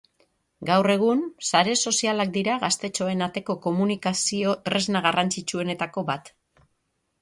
Gaur egun, sare sozialak dira gaztetxoen ateko komunikazio tresna garrantzitsuenetako bat.